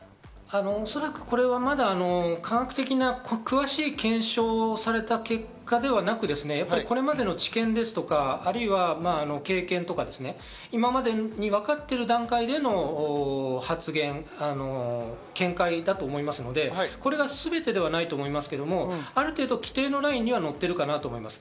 おそらくこれは科学的な詳しい検証をされた結果ではなく、これまでの治験ですとか経験ですとか、今までにわかっている段階での発言、見解だと思いますので、これがすべてではないと思いますけど、ある程度規定のラインにはのっているかなと思います。